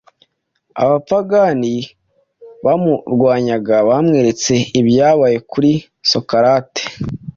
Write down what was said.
Abapagani bamurwanyaga bamweretse ibyabaye kuri Sokarate,